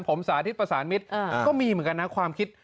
ผมสาธิตประสานมิตรก็มีเหมือนกันนะความคิด